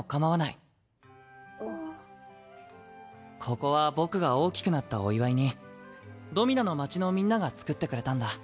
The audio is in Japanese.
ここは僕が大きくなったお祝いにドミナの町のみんなが造ってくれたんだ。